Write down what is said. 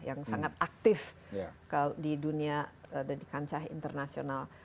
yang sangat aktif di dunia dan di kancah internasional